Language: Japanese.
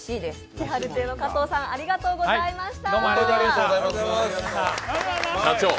気晴亭の加藤さんありがとうございました。